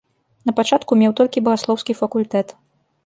Напачатку меў толькі багаслоўскі факультэт.